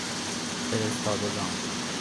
فرستادگان